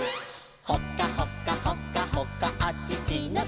「ほかほかほかほかあちちのチー」